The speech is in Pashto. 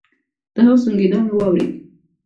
د هغه سونګېدا مې واورېد.